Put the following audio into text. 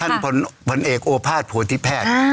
ท่านผลเอกโอภาษณ์ผัวทิแพทย์